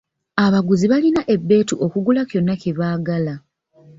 Abaguzi balina ebeetu okugula kyonna kye baagala.